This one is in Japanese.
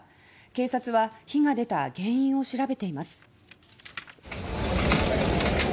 警察は火が出た原因を調べています。